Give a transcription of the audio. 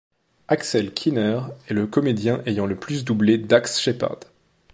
Axel Kiener est le comédien ayant le plus doublé Dax Shepard.